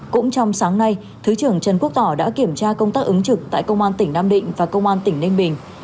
cũng trong sáng nay thứ trưởng trần quốc tỏ đã kiểm tra công tác ứng trực tại công an tỉnh nam định và công an tỉnh ninh bình